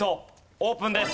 オープンです。